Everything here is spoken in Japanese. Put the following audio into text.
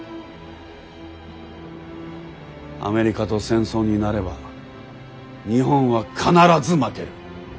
アメリカと戦争になれば日本は必ず負ける。